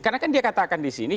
karena kan dia katakan disini